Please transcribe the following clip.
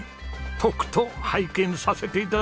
とくと拝見させて頂きましょう。